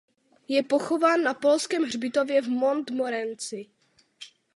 Je pochován na polském hřbitově v Montmorency.